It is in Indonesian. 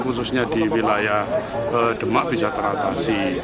khususnya di wilayah demak bisa teratasi